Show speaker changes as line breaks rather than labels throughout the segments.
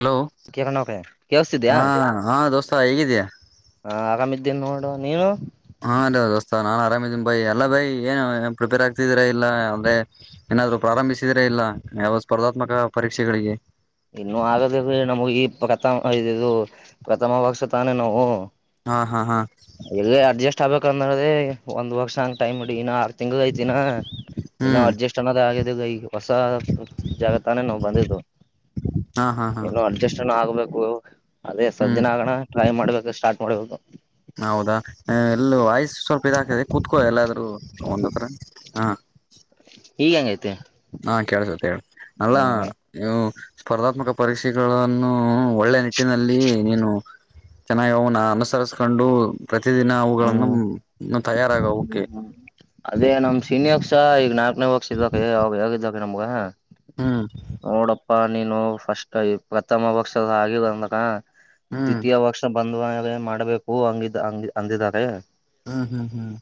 Hello
Kiran ಅವ್ರೆ ಕೇಳಸ್ತಿದ್ಯಾ
ಹಾ ಹಾ ದಸ್. ಸ ಹೇಗಿದೆಯಾ.
ಹಾ ಆರಾಮ ಇದಿದ್ದೇನ ನೋಡು ನೀನು.
ಹಾ ಅ ಹೊಸ್ತ ನಾನ್ ಆರಾಮಿದೀನಿ ಬೈ ಎಲ್ಲ ಬೈ ಏನು ಏನ್ ಪ್ರಿಪೇರ್ ಆಗ್ತಿದ್ರಾ ಇಲ್ಲ ಅಂದ್ರೆ ಏನಾದ್ರು ಪ್ರಾರಂಭಿಸಿದ್ರಾ ಇಲ್ಲ ಯಾವ ಸ್ಪರ್ಧಾತ್ಮಕ ಪರೀಕ್ಷೆಗಳಿಗೆ.
ಇನ್ನು ಆಗದ ನಮಗೆ ಈ ಪ್ರಥಮ ಇದದು ಪ್ರಥಮ ವರ್ಷ ತಾನೇ ನಾವು.
ಹಾ ಹಾ ಹಾ.
ನಡದೆ ಒಂದ ವರ್ಷ ಹಂಗ ಟೈಮ್ ಇಡಿ ಇನ್ ಆರ ತಿಂಗ್ ಐ ದಿನ ಇನ್ನ
ಹ್ಮ್
ಅಡ್ಜಸ್ಟ್ ಅನ್ನೋದ್ ಆಗ ಈ ಹೊಸ ಜಾಗ ತಾನೇ ನಾವು ಬಂದಿದ್ದವು.
ಹಾ ಹಾ ಹಾ
ಏನು ಅಡ್ಜಸ್ಟ್ನ ಆಗ್ಬೇಕು. ಅದೇ ಸ್ವ
ಹ್ಮ್
ದಿನ ಆಗಣ ಟ್ರೈ ಮಾಡ್ಬೇಕು ಸ್ಟಾರ್ಟ್. ನಡದು.
ಹೌದಾ ಎಲ್ಲ ವಯಸ ಸ್ವಲ್ಪ ಇದಾಗಕತದೆ ಕುೂತ್ಕೋ ಎಲ್ಲಾದ್ರರು ಒಂದ್ತ್ರ ಹಾ. [unintelligible]
ಈಗ ಹೆಂಗೈತಿ.
ಹಾ ಕೇಳ್ಸತ್ತ ಹೇಳ ಅಲ್ಲಾ
ಹ್ಮ್
ನೀವು ಸ್ಪರ್ಧಾತ್ಮಕ ಪರೀಕ್ಷೆಗಳನ್ನು ಒಳ್ಳೆ ನಿಟ್ಟಿನಲ್ಲಿ ನೀನು ಚೆನ್ನಾಗಿ ಅವನ ಅನುಸರಿಸಕೊಂಡು ಪ್ರತಿದಿನ
ಹ್ಮ್
ಅವುಗಳನ್ನು ತಯಾರಾಗುವಕ್ಕೆ
ಅದೇ ನಮ್ ಸೀನಿಯರ್ಸ ಈಗ ನಾ ನ ಬಕ್ಷದ ಕ ಆ ನಮಗ
ಹ್ಮ್
ನೋಡಪ್ಪ. ನೀನು ಫಸ್ಟ್ಈ ಪ್ರಥಮ ವರ್ಷದ ಆಗಿದ ಅಂದ್ರ
ಹ್ಮ್
ದ್ವಿತೀಯ ವರ್ಷ ಬಂದ ಮಾಡಬೇಕು ಹಂಗಿದ ಹಂಗ ಸಂದೇದಾಗ
ಹ್ಮ್ ಹ್ಮ್ ಹ್ಮ್.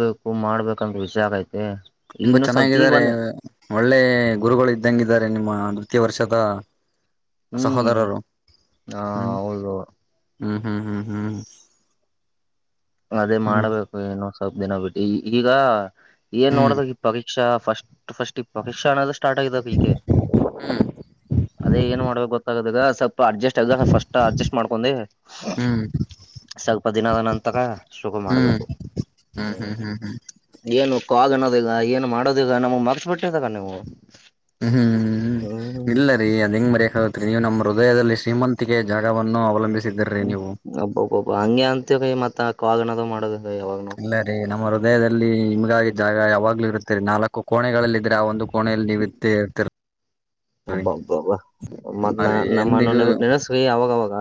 ಬೇಕು ಮಾಡ್ಬೇಕಂತ ವಿಚಾರ ಐತಿ.
ತುಂಬಾ ಚೆನ್ನಾಗಿದ್ದಾರೆ ಒಳ್ಳೆ ಗುರುಗಳು ಇದ್ದಂಗ ಇದ್ದಾರೆ ನಿಮ್ ಪ್ರತಿವರ್ಷದ
ಹ್ಮ್
ಸಹೋದರರು
ಹ
ಹ್ಮ.
ಹೌದು
ಹ್ಮ್ ಹ್ಮ್ ಹ್ಮ್ ಹ್ಮ್.
ಅದೇ
ಹ್ಮ್
ಮಾಡ್ಬೇಕು ಏನು ಹಪ್ಪ ದಿನಬಟ್ಟ ಈಗ ಏನ್
ಹ್ಮ್
ನೋಡದ ಇಪ್ಪ ಶಕ್ಷ ಫಸ್ಟ್ ಫಸ್ಟ್ ಇ ಶಿಕ್ಷ ಅನ್ನುದ ಸ್ಟಾರ್ಟ್ ಆಗ ಈಕೆ ಅದೇ ಏನ್ ಮಾಡ್ಬೇಕ ಗತ್ತ ಆದಾಗ ಸಪ್ಪ್ ಅಡ್ಜಸ್ಟ್ ಆಗಾಗ ಫಸ್ಟ್ ಅಡ್ಜಸ್ಟ್ ಮಾಡ್ಕೊಂಡಿ
ಹ್ಮ್ ಹ್ಮ್
ದಿನದ ನಂತರ. ತಕ. ಶುಕ
ಹ್ಮ್
ಮಾಡ್ಬೇಕು
ಹ್ಮ್
ಹ್ಮ.
ಹ್ಮ್ ಹ್ಮ್ ಹ್ಮ್
ಏನು ಕಾಗ್ ಅನ್ನೋದ ಇಲ್ಲಾ ಏನು ಮಾಡೋದ ಇಲ್ಲಾ ನಮ್ಗ್ ಮಾರ್ತ ಬಿಟ್ಟಿದೀರಾ ನೀವು
ಹ್ಮ್ ಹ್ಮ್ ಹ್ಮ್ ಇಲ್ಲ ರೀ ಅದ ಹೆಂಗ್ ಮರಯಕ್ ಆಗತ್ರಿ ನೀವು ನಮ್ಮ ಹೃದಯದಲ್ಲಿ ಸಿಮಂತಿಕ ಜಾಗವನ್ನು ಅವಲಂಬಿಸಿ.
ಹ್ಮ್ ಅಬ್ಬಬಬ್ಬಾ ಹಂಗೆ ಅಂತ ಕ ಮತ್ತತ ಕಾಲ್ನದು ಮಾಡೋದು.
ಇಲ್ಲ ರೀ ನಮ್ಮೋ ರುದಾಯದಲ್ಲಿ ನಿಮ್ಗಾಗಿ ಜಾಗ ಯಾವಾಗ್ಲೂ ಇರುತ್ತರಿ ನಾಲ್ಕು ಕೋಣೆಗಳಲ್ಲಿಲ್ಲ ಇದ್ರೆ ಆ ಒಂದು ಕೋಣೆಯಲ್ಲಿ ನೀವು ಇ್ದೇ ಇರ್ತೀರಿ.
ಹಬ್ಬಾ ಹಬ್ಬ ಹಬ್ಬ ಮ
ಅ
ನ ನಮ್ಮ
ಎಂದಿಗೂ
ನೆನೆಸ್ರಿ ಅವಾಗವಾಗ.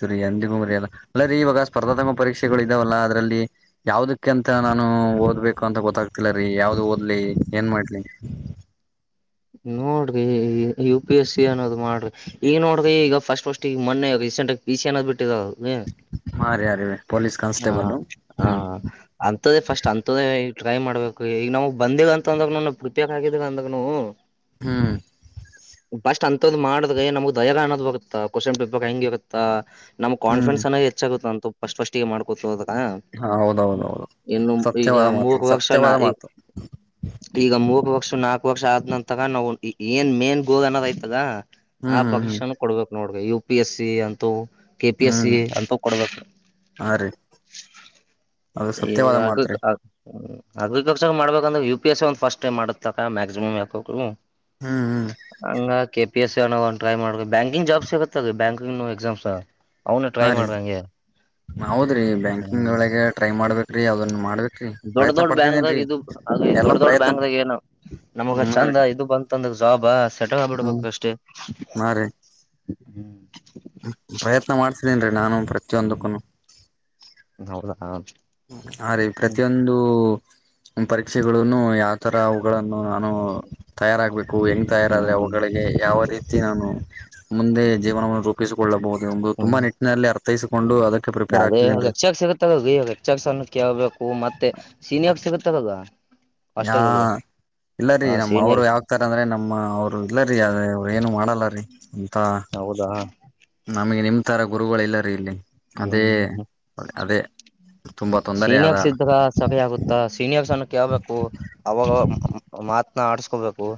ಸರಿ ಅಂದಿಮರಿಯಲ್ಲ ಅಲ್ಲೀ ಇವಾಗ. ಸ್ಪರ್ಧಾತ್ಮಕ ಪರೀಕ್ಷೆಗಳು ಇದಾವಲ್ಲ ಅದರಲ್ಲಿ. ಯಾವದಕ್ಕಂತ ನಾನು ಓದ್ಬೇಕು ಅಂತ ಗೊತ್ತಾಗ್ತಿಲ್ಲರೀ ಯಾವ್ದ ಓದ್ಲಿ ಏನ್ ಮಾಡ್ಲಿ.
ನೋಡ್ರಿ ಯು ಪಿ ಎಸ್ ಸಿ ಅನ್ನೋ್ ಮಾಡ್ರಿ ಈಗ ನೋಡ್ರಿ ಈಗ ಫಸ್ಟ್ ಫಸ್ಟ್ ಈಗ ಮೊನ್ನೆ ರೀಸೆಂಟ್ ಆಗ ಪ ಸಿ ಅನ್ನೋದ್ ಬಿಟ್ಟಿ. ಕಟ್ಟದ.
ಮಾರಿ ಯಾರಿವೆ ಪೊಲೀಸ್
ಹ
ಕಾನ್ಸ್ಟೇಬಲ್
ಹ
ಹ್ಮ್
ಅಂತದೆೇ ಫಸ್ಟ್ ಅಂತದೆೇ. ಟ್ರೈ ಮಾಡ್ಬೇಕು ಈಗ ನಾವವು ಬಂದಗಂತ ಅಂದಾಗನು ಪ್ರಪಿಯಕ್ ಆಗಿದಾಗ ಅಂದಾಗ ನವು.
ಹ್ಮ್.
ಬಸ್ಟ್ ಅಂಂತದ್ ಮಾಡ್ದ ನಮ್ಗ್ ದಯಾ ಅನ್ನೋದ್ ಬೋಗುತ್ತ ಕಸಂ ಪಪಕ್ ಹೆಂಗಗೆ ಹೋಗುತ್ತಾ. ನಮ್
ಹ್ಮ್
ಕಾಫಿಡೆನ್ಸ್ನಾಗ ಹೆಚ್ಚಾಗುತ್ತ ಅಂತ. ಅಷ್ಟಪಷ್ಟ. ಮಾಡ್ಕೋ ಅ.
ಹಾ ಹೌದೌದೌದು
ಈಗ
ಸತ್ಯವಾದ ಮಾತು
ಮೂರ್ ವರ್ಷ ನಾ
ಸತ್ಯವಾದ ಮಾತು.
ವ ನಾಕಕ್ ವರ್ಷ ಆದ್ ನಂತಕ ನಾವು ಏನ್ ಮೇನ್ ಗೋ್ ಅನ್ನೋದ ಆಯ್ತದ
ಹ್ಮ್
ಆ
ಹ್ಮ್ ಹ್ಮ್
ಪಕ್ಷಿನ್ನು ಕೊಡ್ಬೇಕೇಕ್ ನೋಡ ಯು ಪಿ ಎಸ್ ಸಿ ಅಂತೂ ಕೆ ಪಿ ಎಸ್ ಸಿ
ಹ್ಮ್
ಅಂತ ಕೊಡ್ಬೇಕ್ರ
ಹಾ ರೀ ಅದು ಸತ್ಯವಾದ ಮಾತ್ರಿ.
ಹ್ಮ್ ಅಗ್್ವಿ ಕಕ್ಷ ಮಾಡಬೇಕಂದ್ರೆ ಯು ಪಿ ಎಸ್ ಎ ಒಂದ ಫಸ್ಟ್ ಟೈ್ತಕ ಮ್ಯಕ್ಸಮ್ ಯಾಕರು
ಹ್ಮ್ ಹ್ಮ್
ಹಂಗ ಕೇ. ಪಿ ಎಸ್ ಸಿ ಒ ಟ್ರೈ ಮಾಡ ಬ್ಯಾಕಿಂಗ್ ಜಾಬ್ ಸಿಗುತ್ತತ್ತೆ ಬ್ಯಾಕಿಂಗ್ ಎಕ್ಸಾಮ್ಸ್ ಅವ್ನು
ಹಾ
ಟ್ರೈ
ರೀ
ಮಾಡ್ರಿ ಹಂಗೆ
ಹೌದ್ರಿ ಬ್ಯಾಂಕಿಂಗ್ ಒಳಗೆ ಟ್ರೈ ಮಾಡ್ಬೇಕ. ರೀ ಅದನ್ನು ಮಾಡ್ರ.
ದೊಡ್ಡ ದೊಡ್ಡ ಬ್ಯಾಕ್ ದಾಗ ಇದು ಹಾಗ
ಎಲ್ಲಾ
ದೊಡ್ಡ ದೊಡ್
ಪ್ರಯತ್ನ
ಬ್ಯಾಂಕ್ ದಾಗ ಏನು ನಮಗ
ಹ್ಮ ರೀ
ಚಂದ ಇದು ಬಂತಂದ. ಜೋಬ್ ಸ. ಡೇಟರ್
ಹ್ಮ್
ಆಗ್ಬೀಡಬೇಕ್ ಅಷ್ಟೇ.
ಹಾ ರೀ
ಹ್ಮ್
ಪ್ರಯತ್ನ ಮಾಡ್ತಿದೇನ್ರಿ ನಾನು ಪ್ರತಿಯೊಂದಕ್ಕುನು
ಹೌದಾ
ಆ ರೀ
ಹ್ಮ್
ಪ್ರತಿಯೊಂದು. ಪರೀಕ್ಷೆನು ಯಾವ್ ತರ ಅವುಗಳನ್ನು ನಾನು ತಯಾರಾಗಬೇಕು. ೂ ಹೆಂಗ್ತಾ ಇರದ್ರೆ
ಹ್ಮ್
ಅವುಗಳಿಗೆ ಯಾವ ರೀತಿ ನಾನು. ಮುಂದೆ ಜೀವನವನ್ನು ರೂಪಿಸಿಕೊಳ್ಳಬಹುದು. ಒ ತುಂಬಾ
ಹ್ಮ್
ನಿಟ್ಟಿನಲ್ಲಿ ಅರ್ಥೈಸ್ಕೊಂಡು ಅದಕ್ಕೆ ಪ್ರಿಪೇರ್ ಆಗ್ತಿದೇನ್ೀ.
ಚ್ಚಕ್ಸಣ ಕೇಳ್ಬೇಕು ಮತ್ತೆ ಸೀನ್ಿಯಾಗ ಸಿಗುತ್ತದ.
ಯಾ ಇಲ್ಲರೀ
ಹ
ನಮ್ಮ್ ಅವ್ರು
ಸೀನಿಯರ್
ಯಾಗ್ತಾರ ಅಂದ್ರೆ ನಮ್ಮ ಅವರು ಇಲ್ಲರಿೀ ಅದೇ ಅವ್ರ ಏನು ಮಾಡಲ್ಲ ಬ ರೀ. ಾ
ಹೌದಾ
ನಮಗೆ ನಿಮ್ದ. ತರ ಗುರುಗಳ ಎಲ್ಲಾರೀ ಇಲ್ಲಿ. ಅದೇ
ಹ್ಮ್
ಅದೇ ತುಂಬಾ ತೊಂದರೆ ಆದ
ಸೀನಿಯರ್ಸ್ ಇದಾಗ ಸರಿ ಆಗುತ್ತಾ ಸೀನಿಯರ್ಸ್ ಅ. ಕಬೇಕು ಅವಾಗ. ಮಾತನ ಆಡ್ಸ್ಕೊಬೇಕು.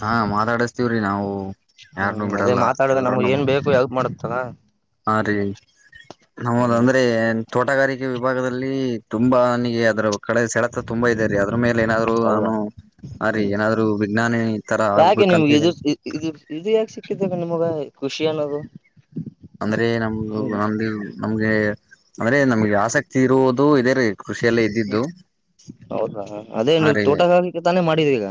ಹಾ ಮಾತಾಡ. ತಿವ್ ರಿ ನಾವು. ಯಾರನುೂ
ಹ್ಮ್ ಅದೇ
ಬಿಡಲ್ಲ
ಮಾತಾಡ್ದೆ ನಮಗೆ
ಎಲ್ರೂನು
ಏನ್ ಬೇಕು ಯಾವ್ದುಕ್ ಮಾಡ್ ತ್ತದ.
ಹಾ ರೀ
ಹ್ಮ್
ನಮ್ಮದಂದ್ರೆ ಏನ್ ತೋಟಗಾರಿಕೆ ವಿಭಾಗದಲ್ಲಿ ತುಂಬಾ ನನಗೆ ಅದ್ರ ಕಡೆ ಸೆಳೆತ ತುಂಬಾ ಇದೆ ರೀ. ಮೇಲೆ ಏನಾದ್ರು
ಹೌದಾ
ನಾನು ಹ ರೀ
ಹ್ಮ್
ಏನಾದ್ರು ವಿಜ್ಞಾನಿ ಈ ತರ
ಯಾಕೆ
ಆಗ್ಬೇಕಂತ
ನಿಮ್ಗೆ ಇದು
ಇದೀನಿ
ಇದು ಇದು ಯಾಕೆ ಸಿಕ್ಕಿದ ನಿಮಗ ಖುಷಿ ಅನ್ನೋದು.
ಅಂದ್ರೆ ನಮ್
ಹ್ಮ್
ನಮ್ದು ನಮ್ಗೆ ಅಂದ್ರೆ ನಮ್ಗೆ ಆಸಕ್ತಿ ಇರುವು ಅದು ಇದೆ ರೀ. ಕೃಷಿಯಲ್ಲೇ ಇದ್ದಿದ್ದು
ಹೌದಾ ಅದೇ ನೀವು ತೋಟಗಾರಿಕೆ ತಾನೇ ಮಾಡ್ ಈದೀಗ.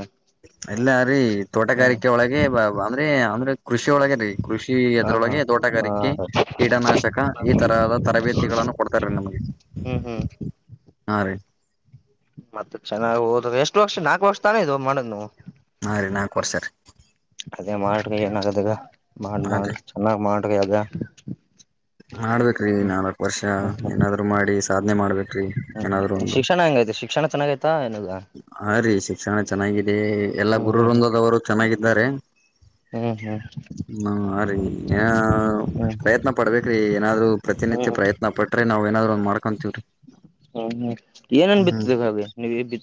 ಇಲ್ಲ ರೀ ತೋಟಗಾರಿಕೆ ಒಳಗೆ ಬ ಬ ಅಂದ್ರೆ. ಅಂದ್ರೆ ಕೃಷಿ ಒಳಗರೀ. ಕೃಷಿ
ಹಾ ಹಾ
ಅದ್ರೊಳಗೆ ತೋಟಗಾರಿಕೆ
ಹ
ಕೀಟನಾಶಕ ಈ ತರದ ತರಬೇತಿಗಳನ್ನು ಕೊಡ್ತಾರ ರೀ ನಮ್ಗೆ
ಹ್ಮ್
ಹಾ ರೀ.
ಮತ್ತ್ ಚೆನ್ನಾಗ್ ಓದ್ರಿ ಎಷ್ಟು ವರ್ಷ ನಾಲ್ಕು ವರ್ಷ ತಾನೇ ಇದು ಮಾಡದ್ ನವು.
ಹಾ ರೀ ನಾಲ್ಕು ವರ್ಷ ರೀ.
ಅದೇ ಮಾಡ್ರಿ ಏನಾಗದಗ. ಮಾಡ್
ಹಾ ರೀ
ಮಾಡ್ ಚೆನ್ನಾಗ್ ಮಾಡು. ವಿ ಅದ.
ಮಾಡ್ಬೇಕ್ರಿ ನಾಲ್ಕ್ ವರ್ಷ ಏನಾದ್ರು ಮಾಡಿ ಸ್
ಹ್ಮ್-ಹ್ಮ್ ಶಿಕ್ಷಣ ಹಂಗೈತಿ ಶಿಕ್ಷಣ?. ಚೆನ್ನಾಗ್.
ಹ ರೀ ಶಿಕ್ಷಣ ಚೆನ್ನಾಗಿದೆ ಎಲ್ಲಾ
ಹ್ಮ್
ಗುರು
ಹ್ಮ್
ವೃಂದದವರು ಚೆನ್ನಾಗಿದ್ದಾರೆ..
ಹ್ಮ್ ಹ್ಮ್
ಹ್ಮ ರೀ ಏ
ಹ್ಮ್
ಪ್ರಯತ್ನ ಪಡ್ಬೇಕ್ರಿ ಏನಾದ್ರು ಪ್ರತಿನಿತ್ಯ
ಹ್ಮ್ ಹ್ಮ್
ಪ್ರಯತ್ನ ಪಟ್ರೆ ನಾವ್ ಏನಾದ್ರು ಒಂದ್ ಮಾಡ್ ಕಂತಿಲ್ರಿ.
ಹ್ಮ್-ಹ್ಮ್ ಏನನ್ ಬಿತ್ತದೆ ಹಾಗೆ ನೀವ್ ಬಿ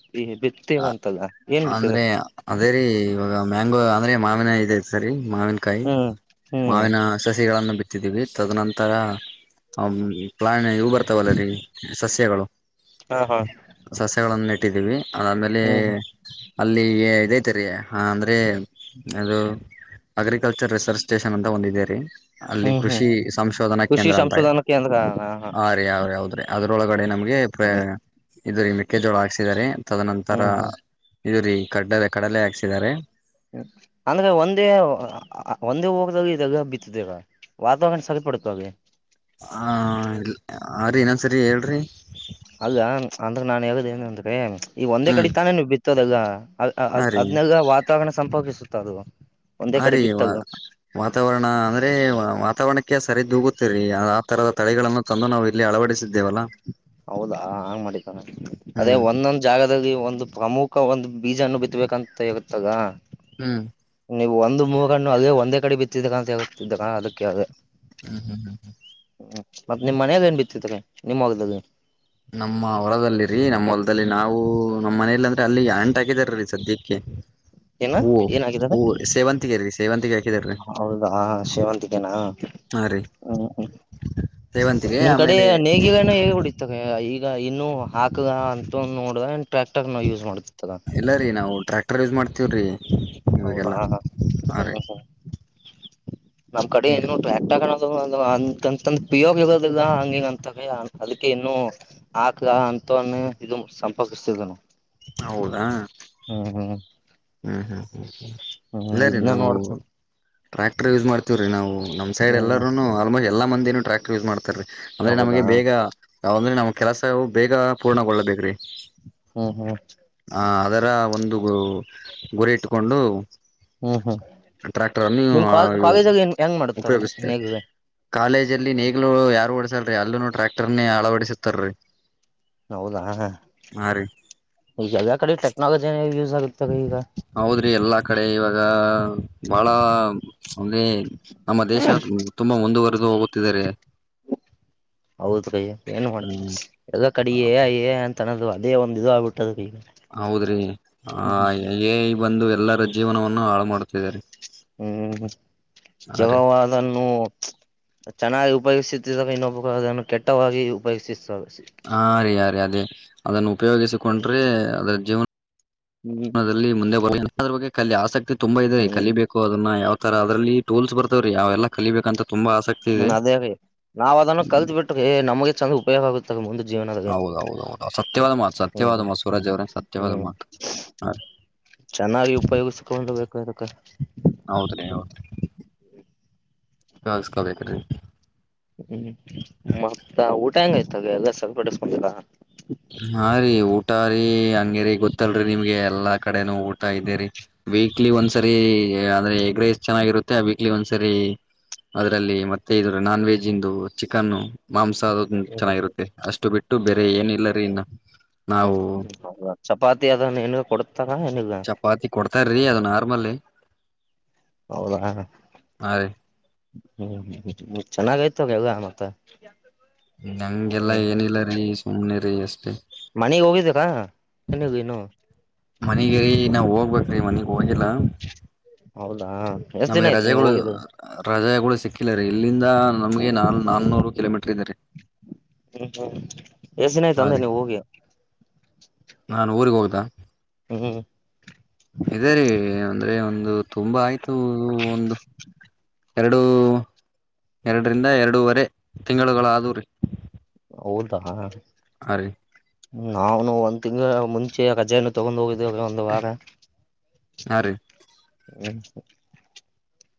ಬಿತ್ತೇವಂತಲ್ಲ ಏನ್ ಬಿತ್ತಿದ
ಅಂದ್ರೆ ಅದೇ ರೀ ಇವಾಗ ಮ್ಯಾನ್ ಅಂದ್ರೆ ಮಾವಿನ ಇದ್ ಸರಿ ಮಾವಿನಕಾಯಿ
ಹ್ಮ್ ಹ್ಮ್
ಮಾವಿನ ಸಸಿಗಳನ್ನು ಬಿ ತಿದ್ದೀವಿ ತದನಂತರ ಅವ್ ಪ್ರಾಯಾಣ ಇವು ಬರ್ತಾವಲ್ಲ ರೀ ಸಸ್ಯಗಳು.
ಹಾ ಹಾ
ಟ್ದಿವಿ ಅದಮೇಲೆ
ಹ್ಮ್
ಅಲ್ಲಿ ಇದೈತೆರಿ ಅಂದ್ರೆ ಅದು ಅಗ್ರಿಕಲ್ಚರ್ ರಿಸರ್ಚ್ ಸ್ಟೇಷನ್ ಅಂತ ಒಂದೇರೀ ಅಲ್ಲಿ
ಹ್ಮ್ ಹ್ಮ್
ಕೃಷಿ ಸಂಶೋಧನಾ
ಕೃಷಿ
ಕೇಂದ್ರ ಅಂತಾ
ಸಂಶೋಧನಾ ಕೇಂದ್ರ ಹಾ ಹಾ
ಹ ರೀ ಅವ್ರಿ ಹೌದ್ರಿ ಅರೊಳ ಗಡೆ ನಮಗೆ ಯೇಪ್ಪ.
ಹ್ಮ್
ಇದು ಮಕ್ಕೆ ಜೋಳ ಆಕ್ಸಿ. ಇಲ್ಲಾರೀ. ತದನಂತರ.
ಹ್ಮ್ ಹ್ಮ್
ಇದು ರೀ ಕಡ್ಡ ಕಡಲೆ ಹಾಕ್ಸಿದಿದ್ದಾರೆ.
ಅಂದ್ರ ಒಂದೇ ಅ ಒಂದೇ ಹೋಗ್ದಾಗ ಇದೆಲ್ಲ ಬಿತ್ತದೇವ ವಾತಾವರಣ ಸರಿಪಡತಲ್ಲಿ.
ಹಾ ಇ ಎ. ಹಾಂ ರೀ ಇನ್ನೊ ಸರಿ ಹೇಳ್ರರಿ.
ಅಲ್ಲ ಅಂದ್ರೆ ನಾನ್ ಹೇಳುದ ಏನ ಅಂದ್ರೆ. ಈ ಒಂದೇ
ಹ್ಮ್
ಕಡಿತಾನೇವು ಬಿತ್ತು. ತದೆಲ್ಲ. ಅ ಅ
ಹಾ ರೀ
ಅದ್ನೆಲ್ಲ ವಾತಾವರಣ ಸಂಪಕಿಸುತ್ತೆ. ತ್ತದುವ.
ಹ ರೀ ವ ವಾತಾವರಣ ಅಂದ್ರೆ ವಾತಾವರಣಕ್ಕೆ. ಸರಿ ದೂಗುತ್ತಿರಿ ಆ ತರದ ತಳಿಗಳನ್ನು ತಂದು ನಾವು. ಇಲ್ಲಿ ಅಳವಡಿಸಿದ್ದೇವಲ್ಲಾ.
ಹೌದಾ ಹಂಗ್ ಮಾಡಿದ್ದಾನ ಅದೇ
ಹ್ಮ್
ಒಂದೊಂದ್ ಜಾಗ. ಆಗಿ ಒಂದು ಪ್ರಮುಖ ಒಂದು ಬೀಜ ಹ್ಣು ಬಿತ್ತಬೇಕಂತ ಹಗತದ.
ಹ್ಮ್.
ನೀವು ಒಂದು ಮೂಗಣ್ಣು ಅದೇ ಒಂದೇ ಕಡೆ ಬಿತ್ತಿದ್ದಕ್ಕಂತ ಹೇಳ್ತಿದ್ರ ಅದಕ್ಕೆ ಯಾವ್ದೆ.
ಹ್ಮ್ ಹ್ಮ್ ಹ್ಮ್ ಹ್ಮ್.
ಹ್ಮ ಮತ್ತ್ ನಿಮ್ ಮನೇಯಲ್ಲಿ ಏನ್ ಬಿತ್ತತ್ತಾರೆ ನಿಮ್ಮ್ ಹೊಲದಲ್ಲಿ.
ನಮ್ಮ ಹೊರದಲ್ಲಿ. ರೀ ನಮ್ಮ ಹೊಲದಲ್ಲಿ ನಾವು. ನಮ್ಮ್ ಮನೇಲಿ ಅಂದ ಅಲ್ಲಿ ಎಂಟ ಆಗಿದಾರ ರೀ ಸದ್ಯಕ್ಕೆ.
ಏನಾ
ಹೂವು
ಏನಾಗಿದ್ದಾರೆ
ಹೂವು ಸೇವಂತಿಗೆ ರೀ ಸೇವಂತಿಗೆ ಹಾಕಿದಾರೀ
ಹೌದಾ ಶೇವಂತಿಕೇನಾ
ಹಾ ರೀ
ಹ್ಮ್ ಹ್ಮ
ಸೇವಂತಿಗೆ
ನಿಮ್ ಕಡೆ
ಆಮೇಲೆ
ನೇಗಿಗಳನ್ನ ಹೇಡಿತವೆ ಈ. ಈಗ ಇನ್ನು ಹಾಕದ ಅಂತೂ ನೋಡ್ದ. ಟ್ರ್ಯಾಕ್ಟರ್ ನಾವು ಯೂಸ್ ಮಾಡ್ತಿತ್ತದ.
ಟ್ರೇಸ್ ಮಾಡ್. ತಿರಿ
ಹೌದಾ
ಇಗೆಲ್ಲ ಹ ರೀ.
ನಮ್ಮ್ ಕಡೆ
ಈಗ
ಏನ್ನು ಟ್ರ್ಯಾಕ್ಟಗಕಣ. ಯೋಗದ ಹಂಗಿಂಗ ಅಂತ ಅದಕ್ಕೆ ಇನ್ನು ಆಕ್ ಅಂತೆ ಇದು ಸಂಪರ್ಕಿಸತಿದ ನ.
ಹೌದಾ. ಹ್ಮ್ ಹ್ಮ್.
ಹ್ಮ್
ಇಲ್ಲ ರೀ
ಇದನ್ನ
ನಾವು
ನೋಡ್ತ
ಟ್ರಾಕ್ಟರ್ ಯೂಸ್ ಮಾಡ್ತೀವ್ರೀ ನಾವು ನಮ್ ಸೈಡ್
ಹ್ಮ್
ಎಲ್ಲರೂನು ಆಲ್ಮೋಸ್ಟ್ ಎಲ್ಲಾ ಮಂದ ಟ್ರಾಕ್ಟರ್ ಯೂಸ್ ಮಾಡ್ತೀರಿ. ಅಂದ್ರೆ
ಹೌದಾ
ನಮಗೆ ಬೇಗ ಯಾವಂದ್ರೆ ನಮ. ಕೆಲಸವು ಬೇಗ ಪೂರ್ಣಗೊಳ್ಳಬೇಕು ರೀ.
ಹ್ಮ್ ಹ್ಮ್
ಹಾ ಅದರ ಒಂದು ಗುರಿ ಇಟ್ಟುಕೊಂಡು.
ಹ್ಮ್ ಹ್ಮ್
ಟ್ರ್ಯಾಕ್ಟರ್ ಅನ್ನು
ನಿಮ್ ಕಾ ಕಾಲೇಜಲ್ಲಿ ಹೆಂಗ್ ಮಾಡುತ್ತ
ಉಪಯೋಗಿಸ್ತಾರೆ
ನೇಗಿಲೆ
ಕಾಲೇಜ ಅಲ್ಲಿ ನೇಗ್ಲು ಯಾರು ಓಡಸಲ್ರಿ ಅಲ್ಲ ನೋಡ. ಟ್ರ್ಯಾಕ್ಟರ್ ನೀ ಆಳವಡಿಸತಾರೀ.
ಹೌದಾ. ಈಗ ಎಲ್ಲ ಕಡೆ ಟೆಕ್ನಾಲಜಿ ಯೂಸ್ ಆಗುತ್ತಾಗ ಈಗ
ಹೌದ್ರಿ ಎಲ್ಲಾ ಕಡೆ ಇವ ಗಾ. ಬಾಳ. [unintelligible]
ಹೌದ್ರೀ ಏನು ಮಾಡ
ಹ್ಮ್
ಎಲ್ಲ ಕಡೇ ಎ ಐ. ತನ್ನದದು ಅದೇ ಒಂದು ಇದು ಆಗ್ಬಿಟ್ಟದು.
ಹೌದ್ರೀ ಹಾ ಏ ಐ ಬಂದು ಎಲ್ಲರ ಜೀವನವನ್ನು ಹಾಳು ಮಾಡ್ತಿದ್ದಾರೆ.
ಹ್ಮ್
ಹಾ ರೀ
ಜಗವು ಅದನ್ನು ಚೆನ್ನಾಗಿ ಉಪಯೋಗಿಸುತ್ತಿದ್ದಾರೆ ಇನ್ನೊಬ್ರು ಅದನ್ನು ಕೆಟ್ಟವಾಗಿ ಉಪಯೋಗಿಸುತ್ತದೆ
ಹಾ ರರಿ ಆ ರೀ ಅದೇ ಅದನ್ನು
ಹ್ಮ್
ಉಪಯೋಗಿಸಿಕೊಂಡ್ರೆ ಅದರ ಜೀವನ
ಹ್ಮ್
ದಲ್ಲಿ ಮುಂದೆ ಬರದ್ರ ಬಗ್ ಕಲ್ಲಿ ಆಸಕ್ತಿ ತುಂಬಾ ಇದದೆರಿ ಕಲಿ
ಹ್ಮ್
ಬಬೇಕು ಅದನ್ನ ಯಾವ ತರ ಅದ್ರಲ್ಲಿ ಟೋಲ್ಸ್ ಬರ್ತಾವ ರೀ ಯಾವೆಲ್ಲ ಕಲಿಬೇಕಂತ ತುಂಬಾ ಆಸಕ್ತಿ
ಹ್ಮ್
ಇದೆ
ಅದೇ ನಾವ್ ಅದನ್ನು
ಹ್ಮ್
ಕಲ್ತ್ ಬಿಟ್ಟು ನಮಗೆ ಚಂದ ಉಪಯೋಗ ಆಗುತ್ತವೆ ಮುಂದ ಜೀವನದ
ಹೌದೌದೌದು ಸತ್ಯವಾದ ಮಾತು ಸತ್ಯವಾದ
ಹ್ಮ್
ಮಾತು ಸೂರಜ್ ಅವ್ರ ಸತ್ಯವಾದ
ಹ್ಮ್
ಮಾತು ಹ
ಚೆನ್ನಾಗಿ ಉಪಯೋಗಿಸಕೊಂಡ ದ [unintelligible]
ಹೌದ್ರಿ ಕಸ್ಕೋಬೇಕ್ರೀ
ಹ್ಮ್ ಮತ್ತ ಊಟ ಹೆಂಗ ಆಯ್ತದೆ ಎಲ್ಲ ಸಪಡಸ್ಕೊಂಡಾ
ಹಾ ರೀ ಹೂ ಊಟ ರೀ ಹಂಗೇರಿ ಗೊತ್ತಲ್ರರಿ ನಿಮಗೆ ಎಲ್ಲಾ ಕಡೆನುೂ ಊಟ ಇದೇರಿ ವೀಕ್ಲಿ ಒಂದ್ಸರಿ ಅಂದ್ರೆ ಎಗ್ ರೈಸ್ ಚೆನ್ನಾಗಿರುತ್ತೆ ವೀಕ್ಲಿ ಒಂದ್ಸರಿ ಅದ್ರಲ್ಲಿ ಮತ್ತೆ ಇ ನಾನ್ ವೆಜ್ ಇಂದು ಚಿಕನ್ ಮಾಂಸ ಅದು
ಹ್ಮ್
ಚೆನ್ನಾಗಿರುತ್ತೆ ಅಷ್ಟು ಬಿಟ್ಟು ಬೇರೆ ಏನಿಲ್ಲ. ಸ.
ಹ್ಮ್ ಚಪಾತಿ ಅದನ್ನುನಗೆ ಕೊಡ್ತಾರ ಹೆನಗ.
ತಮಲೆ.
ಹೌದಾ. ಹ್ಮ್ ಚೆನ್ನಾಗ ಆಯ್ತವ ಯಾಗ ಮತ್ತ.
ನಂಗೆಲ್ಲಾ
ಹ್ಮ್
ಏನಿಲ್ಲ ರೀ ಸುಮ್ನೆ. ರೆಷ್ಟತ.
ಮನೆಗ್ ಹೋಗಿದ್ದಕ್ಕನಗ ನು.
ಮನಗಿರಿೀ ನಾವ್ ಹೋಗ್ಬೇಕ್ರಿ ಮನಗ್. ಹೋಗಿಲ್ಲ
ಹೌದಾ ಎಷ್ಟ್ ದಿನ
ನಮಗೆ
ಆಯ್ತು ನೀವು
ರಜೆಗಳು
ಹೋಗಿದ್ದು
ರಜೆಗಳು ಸಿಕ್ಕಿಲ್ಲ ರೀ ಇಲ್ಲಿಂದ. ನಮ್ಗೆ ನಾಲ್ ನಾನನೂರು ಕಿಲೋಮೀಟರ್ ಇದ್ದಾರೆ.
ಹ ಹ್ಮ. ಎಏಸಿನಯ್ತು ಅಂದ್ರೆ ನೀವು ಹೋಗಿ. ಹ್ಮ್
ಇದದೆ ರೀ ಅಂದ್ರೆ ಒಂದು. ದು ತುಂಬಾ ಆಯತು. ಒಂದು. ಎರಡುೂ ಎರಡರಿಂದ ಎರಡೂವರೆ ತಿಂಗಳುಗಳಾದೂ ರೀ.
ಹೌದ ಹಾ.
ಅ ರೀ.
ನಾಾನು ಒಂದ್ ತಿಂಗ್ ಮುಂಚೆ ಗಜೆಯನ್ನು ತಗೊಂಡ್ ಹೋಗ. ಅ ಒಂದು ವಾರ.
ಹಾ ರೀ
ಹ್ಮ.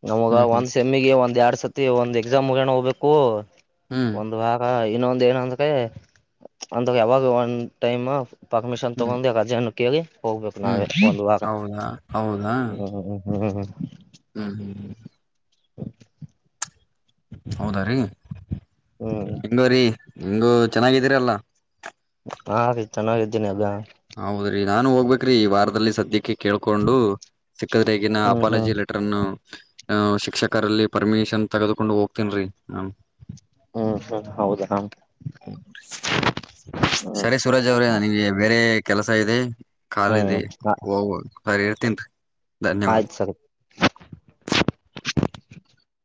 ನಮಗ
ಹ್ಮ್
ಒಂದ್ ಸಮ್ಮಿಗೆ ಒಂದ್ ಎರಡು. ಸತಿ ಒಂದ್ ಎಕ್ಸಾಮ್ ಮುಗಣ ಹೋಗ್ಬೇಕು.
ಹ್ಮ್
ಒಂದು್ ಭಾಗತ. ಇನ್ನೊಂದ ಏನ ಅಂದ ಅಂದ ಯಾವಾಗ ಒಂದ ಟೈಮ್. ಪಾಕ್್ಮಶನ್
ಹ್ಮ್ ಹ್ಮ್
ತುೊಂಡಂದಾ ಜೆ. ಕೆಓೋಗಗೆ.
ಹ್ಮ್ ಹೌದಾ ಹೌದಾ.
ಹ್ಮ ಹ್ಮ.
ಹ್ಮ್ ಹ್ಮ್ ಹ್ಮ್. ಹೌದಾ ರೀ.
ಹ್ಮ್
ಹೆಂಗೂರಿ. ಹಂಗು ಚೆನ್ನಾಗಿದೀರಲ್ಲ.
ಹಾ ರೀ ಚೆನ್ನಾಗಿದ್ದೀನಿ ಎಲ್ಲಾ.
ಹೌದ್ರಿ ನಾನು ಹೋಗ್ಬೇಕ್ರಿ ಈ ವಾರದಲ್ಲಿ ಸದ್ಯಕ್ಕೆ. ಕೇಳ್ಕೊಂಡು ಸಿಕ್ಕದ್ರ ಈಗಿನ
ಹ್ಮ್ ಹ್ಮ್
ಅಪಾಲಜಿ ಲೆಟರ್ನ್ನು. ಹ ಶಿಕ್ಷಕರಲ್ಲಿ ಪರ್ಮಿಷನ್ ತಗದಕೊಂಡು ಹೋಗ್ತೇನ್ೀ ನ.
ಹ್ಮ್ ಹ್ಮ್ ಹೌದ ಹ.
[unintelligible] ಸರಿ ಸುರಾಜ್ ಅವ್ರೆ ನನಗೆ ಬೇರೆ. ಕೆಲಸ ಇದೆ. ಕಾಲದೆ
ಹ್ಮ್
ಹೋಗ್ುವೋುದು. ಸರಿ ಇೇರ್ತೀನ್ರಿ.
ಆಯ್ತ ಸರ್